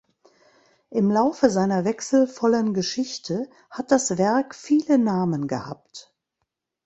Im Laufe seiner wechselvollen Geschichte hat das Werk viele Namen gehabt.